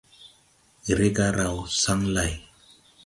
Rega raw saŋ lay.